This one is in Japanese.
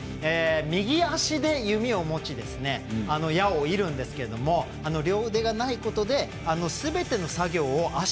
右足で弓を持ち矢を射るんですけど両腕がないことですべての作業を足だけで行うんですよ。